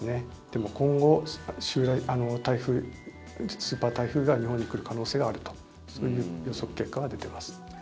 でも今後、スーパー台風が日本に来る可能性があるとそういう予測結果が出てます。